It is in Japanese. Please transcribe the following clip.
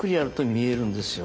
見えますよ。